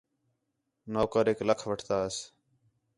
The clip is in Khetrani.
نوکریک لَکھ وٹھتاس